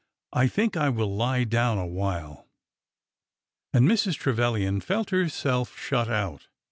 I think I will lie down a while." And Mrs. Trevilian felt herself shut out.